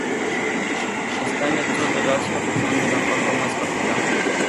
Está en el sur del Lacio, región de la cual Roma es capital.